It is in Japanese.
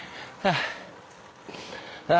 ああ。